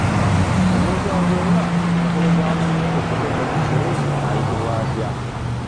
Omuntu agenda ku mukolo gwa munne okusunga obusunzi ayitibwa atya?